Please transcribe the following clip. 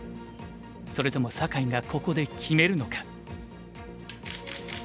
それとも酒井がここで決めるのか。